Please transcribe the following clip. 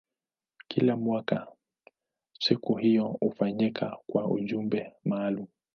Kila mwaka siku hiyo hufanyika kwa ujumbe maalumu.